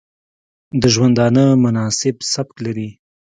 د ژوندانه مناسب سبک لري